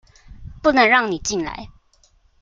不能讓你進來